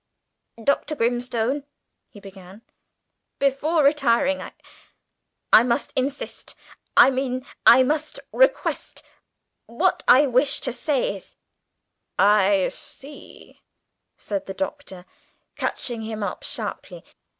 "Dr. Grimstone," he began; "before retiring I I must insist I mean I must request What I wish to say is " "I see," said the Doctor, catching him up sharply.